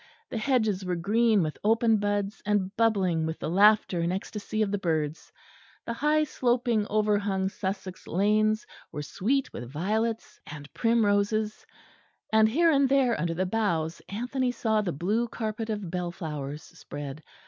The hedges were green with open buds, and bubbling with the laughter and ecstasy of the birds; the high sloping overhung Sussex lanes were sweet with violets and primroses; and here and there under the boughs Anthony saw the blue carpet of bell flowers spread.